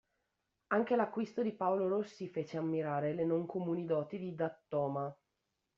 Anche l'acquisto di Paolo Rossi fece ammirare le non comuni doti di D'Attoma.